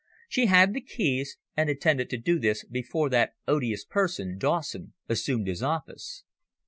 She had the keys, and intended to do this before that odious person, Dawson, assumed his office.